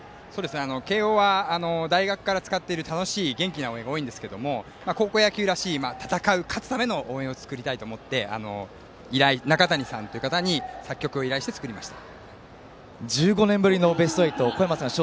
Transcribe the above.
慶応は大学から使っている楽しい元気な応援が多いんですが高校野球らしい戦う、勝つための応援を作りたいと思って依頼、なかたにさんという方に作曲を依頼して、作りました。